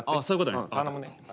そういうことね。